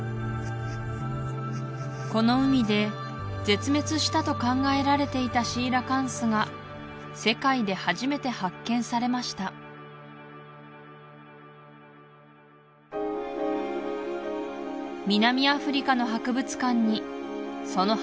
この海で絶滅したと考えられていたシーラカンスが世界で初めて発見されました南アフリカの博物館にその剥製が展示されています